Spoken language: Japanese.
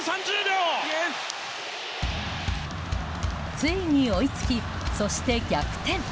ついに追いつき、そして逆転。